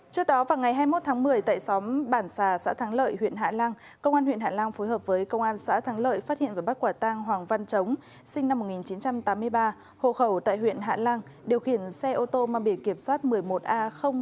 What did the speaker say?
trước đó vào ngày hai mươi một tháng một mươi tại xóm bản xà xã thắng lợi huyện hạ lăng công an huyện hạ lăng phối hợp với công an xã thắng lợi phát hiện và bắt quả tang hoàng văn chống sinh năm một nghìn chín trăm tám mươi ba hồ khẩu tại huyện hạ lăng điều khiển xe ô tô mang biển kiểm soát một mươi một a bốn nghìn bốn trăm linh một